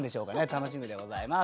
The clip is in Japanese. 楽しみでございます。